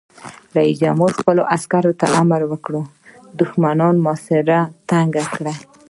رئیس جمهور خپلو عسکرو ته امر وکړ؛ د دښمن محاصره تنګه کړئ!